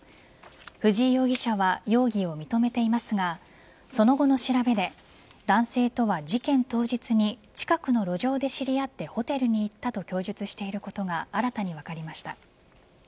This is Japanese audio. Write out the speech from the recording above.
藤井容疑者は容疑を認めていますがその後の調べで男性とは、事件当日に近くの路上で知り合ってホテルに行ったと供述していることが新たに分かりました。